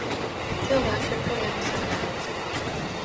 Cilvēki joprojām esot daudz.